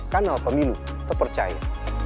kanal pemilu terpercaya